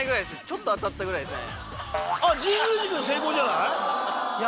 ちょっと当たったぐらいですね。